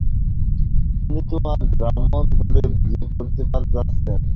তিনি তো আজ ব্রাহ্মঘরে বিয়ে করতে যাচ্ছেন।